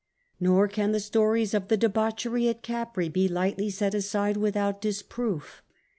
Nor can the stories of the debauchery at Capreie be lightly set aside without disproof.